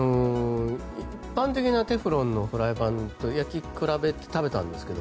一般的なテフロンのフライパンと焼き比べて食べたんですけど